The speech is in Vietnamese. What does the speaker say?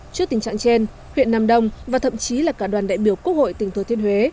trước tình trạng trên huyện nam đông và thậm chí là cả đoàn đại biểu quốc hội tỉnh thừa thiên huế